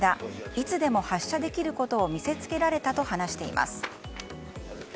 いつでも発射できることを見せつけられたと話しています。